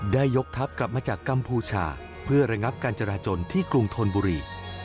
ยกทัพกลับมาจากกัมพูชาเพื่อระงับการจราจนที่กรุงธนบุรี